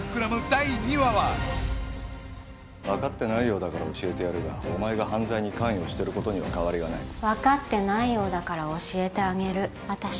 第２話は分かってないようだから教えてやるがお前が犯罪に関与してることには変わりはない分かってないようだから教えてあげる私